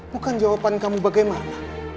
bukan jawaban kamu bagaimana